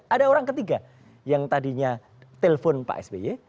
ada orang ketiga yang tadinya telepon pak sp